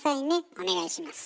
お願いします。